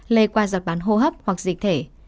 lề qua giọt bán hô hấp hoặc dịch thể